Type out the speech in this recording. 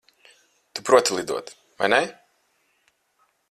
Tu proti lidot, vai ne?